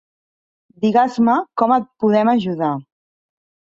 Digues-me com et podem ajudar.